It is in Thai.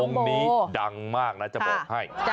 นี้ดังมากนะจะบอกให้